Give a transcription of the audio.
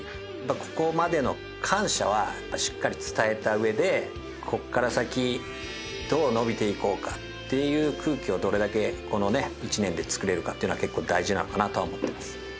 ここまでの感謝はしっかり伝えた上でここから先どう伸びていこうかっていう空気をどれだけこのね１年で作れるかっていうのは結構大事なのかなとは思ってます。